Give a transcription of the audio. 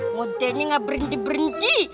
mote ini enggak berhenti berhenti